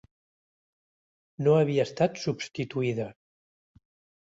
No havia estat substituïda